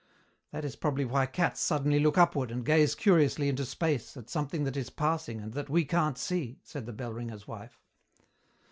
"That is probably why cats suddenly look upward and gaze curiously into space at something that is passing and that we can't see," said the bell ringer's wife.